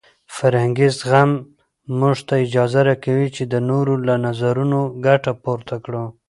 فرهنګي زغم موږ ته اجازه راکوي چې د نورو له نظرونو ګټه پورته کړو.